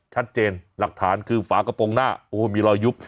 หลักฐานคือฝากระโปรงหน้าโอ้มีรอยยุบ